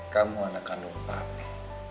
kamu anak kandung papi